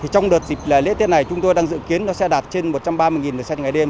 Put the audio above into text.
trong đợt dịp lễ tiết này chúng tôi đang dự kiến nó sẽ đạt trên một trăm ba mươi lượt xe trên ngày đêm